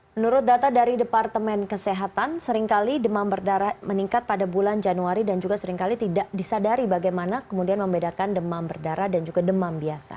menurut data dari departemen kesehatan seringkali demam berdarah meningkat pada bulan januari dan juga seringkali tidak disadari bagaimana kemudian membedakan demam berdarah dan juga demam biasa